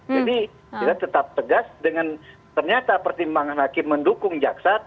jadi kita tetap tegas dengan ternyata pertimbangan hakim mendukung jaksat